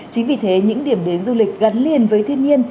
chính vì thế những điểm đến du lịch gắn liền với thiên nhiên